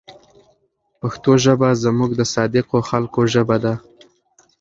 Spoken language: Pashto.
پښتو ژبه زموږ د صادقو خلکو ژبه ده.